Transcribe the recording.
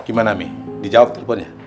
gimana mi dijawab teleponnya